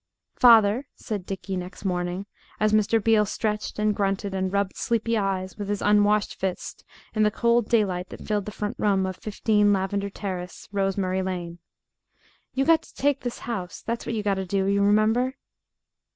"Father," said Dickie, next morning, as Mr. Beale stretched and grunted and rubbed sleepy eyes with his unwashed fists in the cold daylight that filled the front room of 15, Lavender Terrace, Rosemary Lane. "You got to take this house that's what you got to do; you remember."